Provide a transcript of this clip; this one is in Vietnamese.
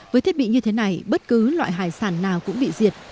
với thiết bị như thế này bất cứ loại hải sản nào cũng bị diệt